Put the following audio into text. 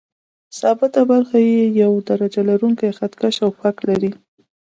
ثابته برخه یې یو درجه لرونکی خط کش او فک لري.